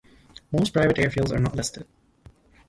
Most private airfields are not listed.